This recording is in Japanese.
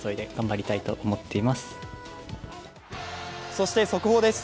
そして速報です。